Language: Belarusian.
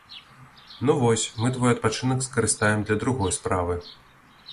Ну вось, мы твой адпачынак скарыстаем для другой справы.